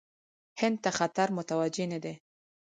هند ته خطر متوجه نه دی.